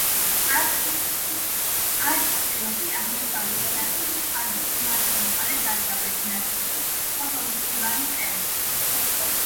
არქიპელაგის აღმოსავლეთ ნაწილში ჭარბობს მარადმწვანე, დასავლეთ ნაწილში ფოთოლმცვივანი ტყე.